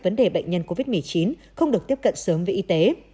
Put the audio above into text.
vấn đề bệnh nhân covid một mươi chín không được tiếp cận sớm với y tế